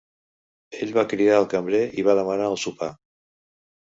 Ell va cridar el cambrer i va demanar el sopar.